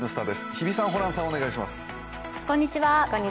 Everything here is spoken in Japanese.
日比さん、ホランさん、お願いします。